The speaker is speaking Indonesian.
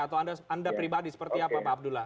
atau anda pribadi seperti apa pak abdullah